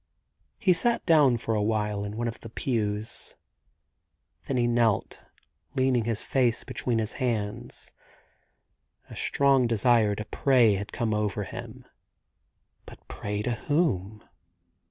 He sat down for a while in one of the pews ; then he knelt, leaning his face between his hands. A strong desire to pray had come over him. But pray to whom